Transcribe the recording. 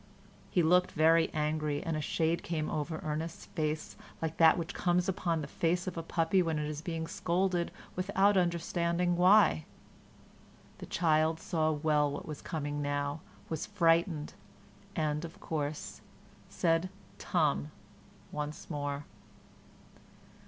He looked very angry, and a shade came over Ernest's face, like that which comes upon the face of a puppy when it is being scolded without understanding why. The child saw well what was coming now, was frightened, and, of course, said "tum" once more.